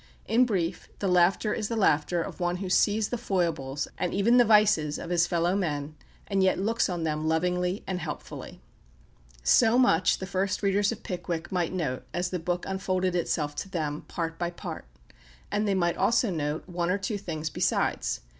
In brief, the laughter is the laughter of one who sees the foibles, and even the vices of his fellow men, and yet looks on them lovingly and helpfully. So much the first readers of "Pickwick" might note as the book unfolded itself to them, part by part; and they might also note one or two things besides.